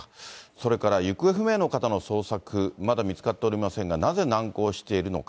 それから行方不明の方の捜索、まだ見つかっておりませんが、なぜ難航しているのか。